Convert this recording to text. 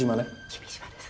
君島です。